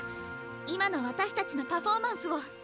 今の私たちのパフォーマンスを。